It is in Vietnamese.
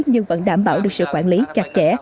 nhưng vẫn đảm bảo được sự quản lý chặt chẽ